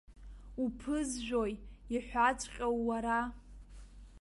Уԥызжәои иҳәаҵәҟьоу, уара?!